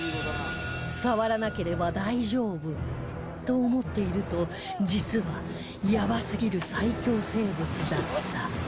触らなければ大丈夫と思っていると実はヤバすぎる最恐生物だった